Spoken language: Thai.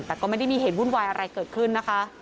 แต่ก็ไม่ได้มีเหตุวุ่นวายอะไรเกิดขึ้นนะคะ